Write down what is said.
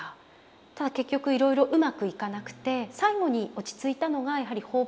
ただ結局いろいろうまくいかなくて最後に落ち着いたのがやはり放牧業でしたね。